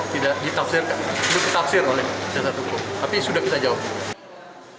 tidak ditafsir oleh jasa hukum tapi sudah bisa jawab